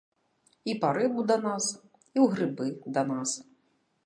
І па рыбу да нас, і ў грыбы да нас.